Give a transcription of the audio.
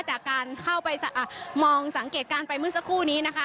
จากการเข้าไปมองสังเกตการณ์ไปเมื่อสักครู่นี้นะคะ